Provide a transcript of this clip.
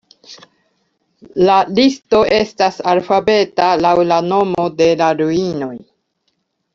La listo estas alfabeta laŭ la nomo de la ruinoj.